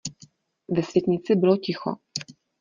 Ve světnici bylo ticho.